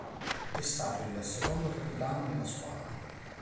È stato il secondo capitano della squadra.